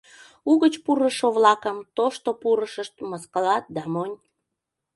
Угыч пурышо-влакым тошто пурышышт мыскылат да монь.